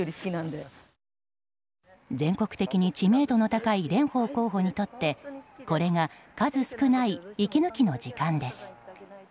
全国的に知名度の高い蓮舫候補にとってこれが数少ない息抜きの時間です。